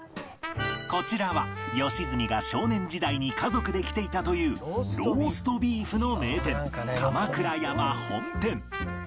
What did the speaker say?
こちらは良純が少年時代に家族で来ていたというローストビーフの名店鎌倉山本店